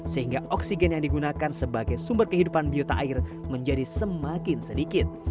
sehingga oksigen yang digunakan sebagai sumber kehidupan biota air menjadi semakin sedikit